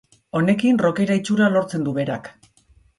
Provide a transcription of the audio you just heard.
Honekin rockera itxura lortzen du berak.